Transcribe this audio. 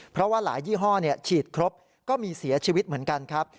เพราะว่าหลายยี่ห้อฉีดครบก็มีเสียชีวิตเหมือนกันครับ